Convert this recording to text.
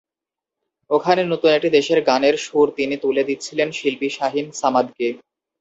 ওখানে নতুন একটি দেশের গানের সুর তিনি তুলে দিচ্ছিলেন শিল্পী শাহীন সামাদকে।